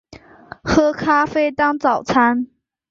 喝咖啡当早餐